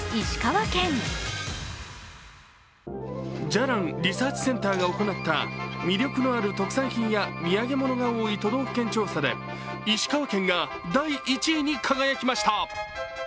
じゃらん・リサーチセンターが行った魅力のある特産品や土産物が多い都道府県調査で石川県が第１位に輝きました。